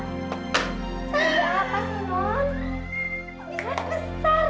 tidak apa apa senon